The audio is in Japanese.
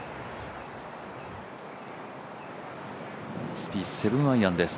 スピース、７アイアンです。